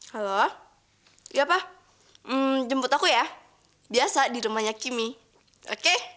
halo iya pa jemput aku ya biasa di rumahnya kimi oke